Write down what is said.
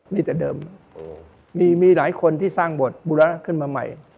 มีแต่เดิมมีหลายคนที่สร้างบทบุรณะขึ้นมาใหม่